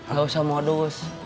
gak usah modus